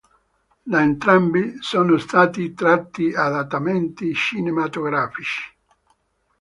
Da entrambi sono stati tratti adattamenti cinematografici.